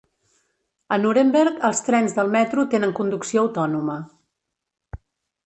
A Nuremberg els trens del metro tenen conducció autònoma.